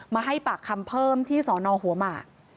มาให้ปากคำเพิ่มที่สอนอหัวหมาก